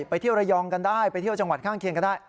ไปเที่ยวระยองกันได้ไปเที่ยวจังหวัดข้างเคียงก็ได้